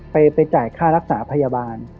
ไปจ่ายค่ารักษาพยาบาล